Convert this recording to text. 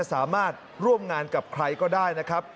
สามารถร่วมงานกับใครก็ได้นะครับ